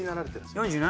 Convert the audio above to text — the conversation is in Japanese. ４７。